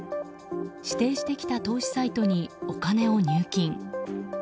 指定してきた投資サイトにお金を入金。